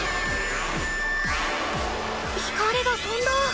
光がとんだ！